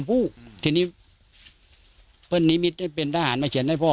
เพื่อนนิมิตได้เป็นทหารมาเขียนให้พ่อ